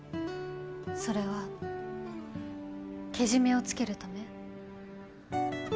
それはケジメをつけるため？